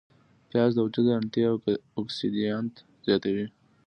پیاز د وجود انتي اوکسیدانت زیاتوي